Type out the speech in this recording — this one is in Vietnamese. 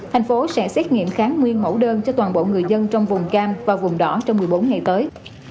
thành phố sẽ xét nghiệm kháng nguyên mẫu đơn cho toàn bộ người dân trong vùng cam và vùng đỏ trong một mươi bốn ngày tới